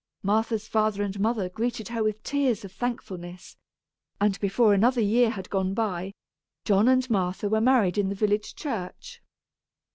Martha's father and mother greeted her with tears of thankfulness; and before another year had gone by John and Martha were married in the village church.